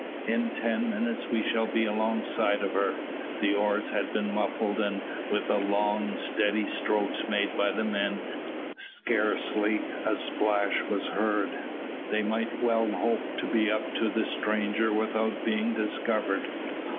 In ten minutes we shall be alongside of her." The oars had been muffled, and with the long, steady strokes made by the men, scarcely a splash was heard. They might well hope to be up to the stranger without being discovered.